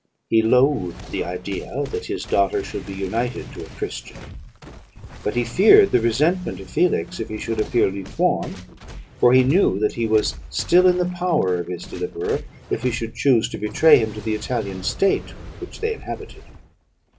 He loathed the idea that his daughter should be united to a Christian; but he feared the resentment of Felix, if he should appear lukewarm; for he knew that he was still in the power of his deliverer, if he should choose to betray him to the Italian state which they inhabited.